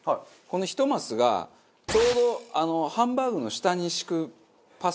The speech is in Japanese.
この１マスがちょうどハンバーグの下に敷くパスタの。